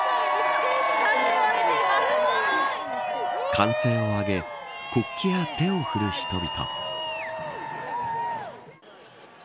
歓声を上げ国旗や手を振る人々。